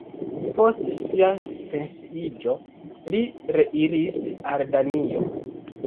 Post sia pensiiĝo li reiris al Danio.